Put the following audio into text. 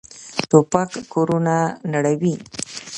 توپک کورونه نړولي.